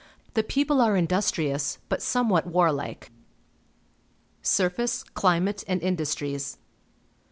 The people are industrious, but somewhat war like. Surface, Climate, and Industries.